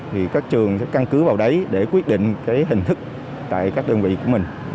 thì các trường sẽ căn cứ vào đấy để quyết định cái hình thức tại các đơn vị của mình